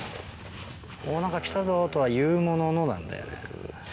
何か来たぞとはいうもののなんだよね。